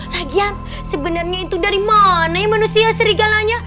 lagian sebenarnya itu dari mana yang manusia serigalanya